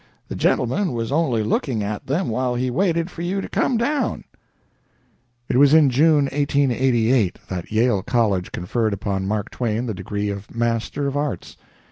The gentleman was only looking at them while he waited for you to come down." It was in June, 1888, that Yale College conferred upon Mark Twain the degree of Master of Arts.